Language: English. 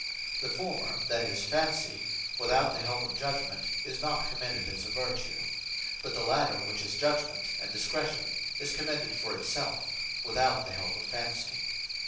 The former, that is, Fancy, without the help of Judgement, is not commended as a Vertue: but the later which is Judgement, and Discretion, is commended for it selfe, without the help of Fancy.